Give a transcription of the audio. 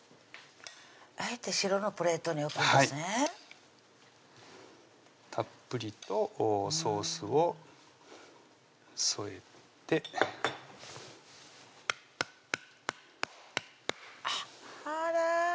あえて白のプレートに置くんですねたっぷりとソースを添えてあっあら